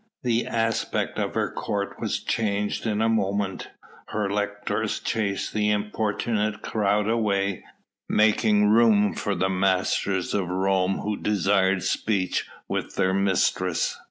The aspect of her court was changed in a moment. Her lictors chased the importunate crowd away, making room for the masters of Rome who desired speech with their mistress.